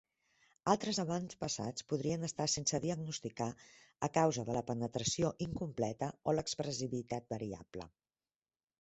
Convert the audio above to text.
Altres avantpassats podrien estar sense diagnosticar a causa de la penetració incompleta o l'expressivitat variable.